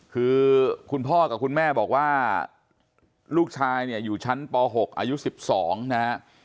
คือคุณพ่อกับคุณแม่บอกว่าลูกชายเนี่ยอยู่ชั้นป๖อายุ๑๒นะฮะ